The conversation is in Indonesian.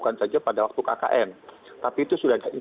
pak ibu ada beberapa hal yang ingin saya inginkan